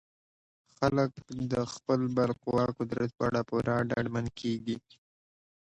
خلک د خپل بالقوه قدرت په اړه پوره ډاډمن کیږي.